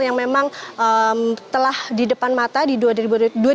yang memang telah di depan mata di dua ribu dua puluh